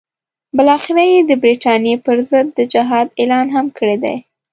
بالاخره یې د برټانیې پر ضد د جهاد اعلان هم کړی دی.